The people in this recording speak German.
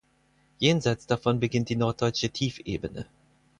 Jenseits davon beginnt die Norddeutsche Tiefebene.